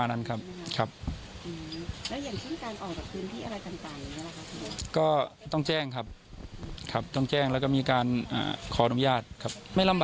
ส่วนของผมก็ยังยืนยันอยู่ครับ